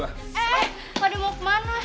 eh pada mau kemana